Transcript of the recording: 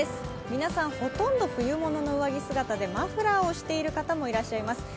皆さんほとんど冬物の上着姿でマフラーをしている方もいらっしゃいます。